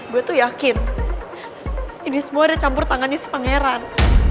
gue tuh yakin ini semua ada campur tangannya si pangeran